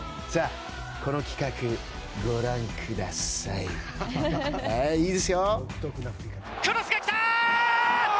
この企画、ご覧ください！